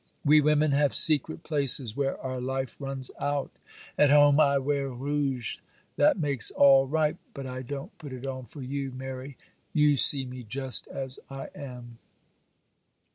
We women have secret places where our life runs out. At home I wear rouge; that makes all right; but I don't put it on for you, Mary; you see me just as I am.